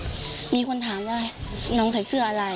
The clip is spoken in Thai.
ก็มีคนถามว่าน้องใส่เสื้ออะไร